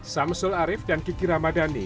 samsul arief dan kiki ramadhani